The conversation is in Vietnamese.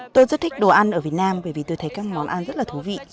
tôi rất thích đồ ăn ở việt nam bởi vì tôi thấy các món ăn rất là thú vị